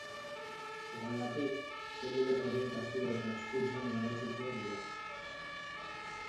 Horregatik, zelulen orientazio eta hazkuntzan garrantzitsuak dira.